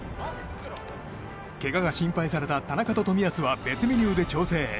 けがが心配された田中と冨安は別メニューで調整。